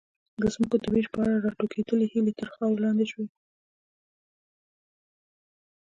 د ځمکو د وېش په اړه راټوکېدلې هیلې تر خاورې لاندې شوې.